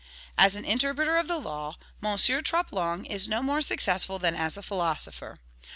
As an interpreter of the law, M. Troplong is no more successful than as a philosopher.